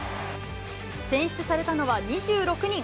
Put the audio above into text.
選出されたのは２６人。